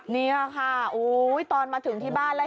นี่แหละค่ะอู้โหตอนมาถึงที่บ้านแล้ว